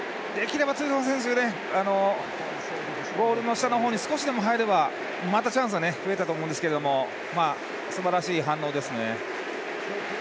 できればテュイソバ選手がボールの下の方に少しでも入ればチャンスが増えたと思うんですけれどもすばらしい反応でしたね。